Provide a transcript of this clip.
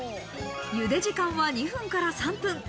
茹で時間は２分から３分。